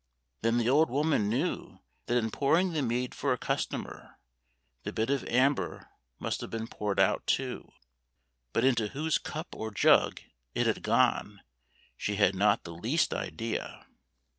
Then the old woman knew that in pour ing the mead for a customer, the bit of amber must have been poured out, too. But into whose cup or jug it had gone, she had not the least idea.